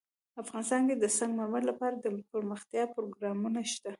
افغانستان کې د سنگ مرمر لپاره دپرمختیا پروګرامونه شته.